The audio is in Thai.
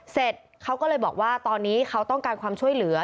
เสร็จเขาก็เลยบอกว่าตอนนี้เขาต้องการความช่วยเหลือ